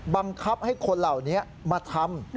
บังคับให้คนเหล่านี้มาทำ